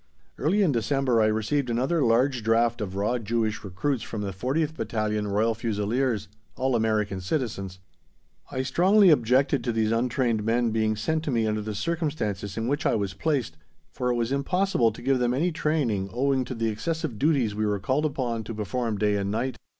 Early in December I received another large draft of raw Jewish recruits from the 40th Battalion Royal Fusiliers all American citizens. I strongly objected to these untrained men being sent to me under the circumstances in which I was placed, for it was impossible to give them any training owing to the excessive duties we were called upon to perform day and night.